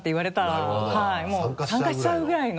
なるほど参加しちゃうぐらいの。